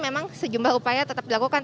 memang sejumlah upaya tetap dilakukan